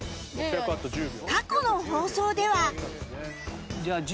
過去の放送では